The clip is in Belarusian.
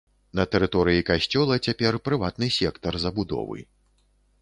На тэрыторыі касцёла цяпер прыватны сектар забудовы.